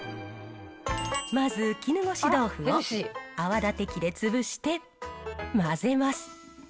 まず絹ごし豆腐を泡立て器で潰して混ぜます。